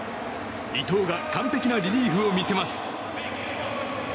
伊藤が完璧なリリーフを見せます。